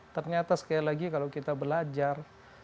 ternyata sekali lagi kalau kita belajar